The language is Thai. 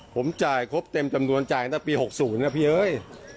ผมจ่ายครบเต็มจำนวนจ่ายตั้งแต่ปี๖๐นะพี่เอ้ย